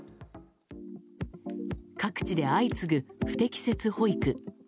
各地で相次ぐ不適切保育。